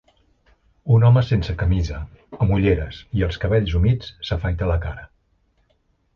Un home sense camisa, amb ulleres i els cabells humits s'afaita la cara.